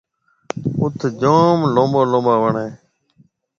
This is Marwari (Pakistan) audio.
اوٿ جوم لُمٻا لُمٻا وڻ هيَ۔